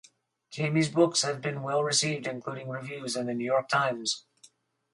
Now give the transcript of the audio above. Jamie’s books have been well received including reviews in the New York Times.